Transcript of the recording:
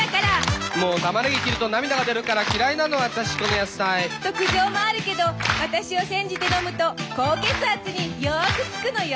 「もうたまねぎ切ると涙が出るから嫌いなの私この野菜」。と苦情もあるけど私を煎じて飲むと高血圧によく効くのよ。